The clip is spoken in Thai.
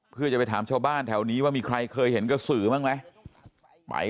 เพื่อจะไปถามชาวบ้านแถวนี้ว่ามีใครเคยเห็นกระสือบ้างไหม